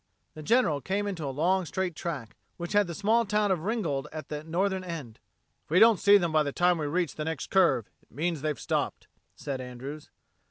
The General came into a long straight track, which had the small town of Ringgold at its northern end. "If we don't see them by the time we reach the next curve it means they're stopped," said Andrews.